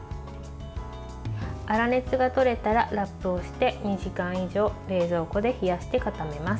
粗熱が取れたら、ラップをして２時間以上冷蔵庫で冷やして固めます。